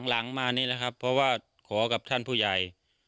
หลังมานี่แหละครับเพราะว่าขอกับท่านผู้ใหญ่